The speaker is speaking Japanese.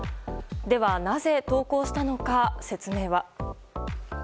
では、なぜ投稿したのか説明は？